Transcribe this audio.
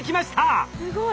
すごい。